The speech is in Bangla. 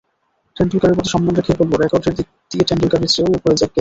টেন্ডুলকারের প্রতি সম্মান রেখেই বলব, রেকর্ডের দিক দিয়ে টেন্ডুলকারের চেয়েও ওপরে জ্যাক ক্যালিস।